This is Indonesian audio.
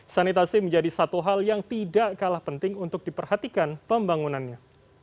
sanitasi menjadi satu hal yang tidak kalah penting untuk diperhatikan pembangunannya